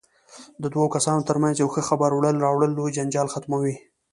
د دوو کسانو ترمنځ یو ښه خبر وړل راوړل لوی جنجال ختموي.